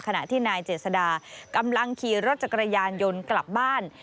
ขณะที่นายเจษดากำลังขี่รถจักรยานยนต์กลับบ้าน